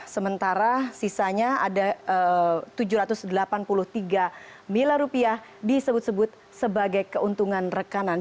sementara sisanya ada tujuh ratus delapan puluh tiga miliar rupiah disebut sebut sebagai keuntungan rekanan